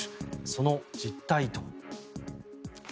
その実態とは。